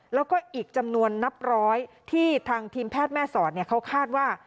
แล้วก็อีกจำนวนนับร้อยที่ทางทีมแพทย์แม่สอดเขาคาดว่า